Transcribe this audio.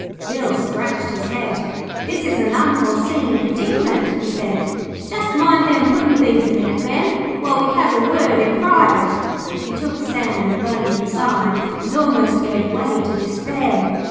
Bill scratched his head. 'This is an unforeseen predicament,' he said. 'Just mind them puddin' thieves a minute, Ben, while we has a word in private.' He took Sam and Bunyip aside, and almost gave way to despair.